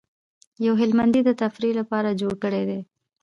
یو هلمندي د تفریح لپاره جوړ کړی دی.